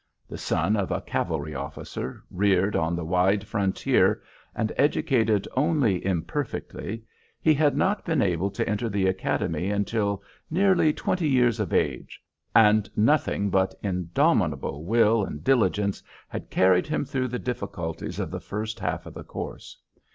The son of a cavalry officer, reared on the wide frontier and educated only imperfectly, he had not been able to enter the Academy until nearly twenty years of age, and nothing but indomitable will and diligence had carried him through the difficulties of the first half of the course.